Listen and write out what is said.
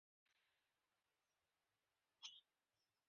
কি এখন পাওয়া যায়?